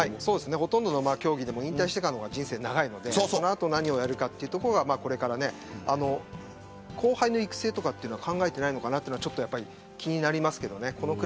ほとんどの競技は引退してからの方が人生長いのでその後何をやるかというのが後輩の育成とか考えていないのかなというのは気になりますけどね。